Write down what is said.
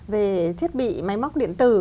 về thiết bị máy móc điện tử